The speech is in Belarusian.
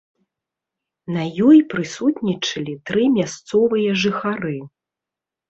На ёй прысутнічалі тры мясцовыя жыхары.